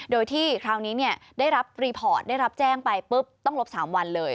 โดยที่คราวนี้ได้รับรีพอร์ตได้รับแจ้งไปปุ๊บต้องลบ๓วันเลย